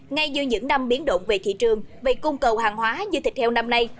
ngay dưới những năm biến động về thị trường về cung cầu hàng hóa như thịt heo năm nay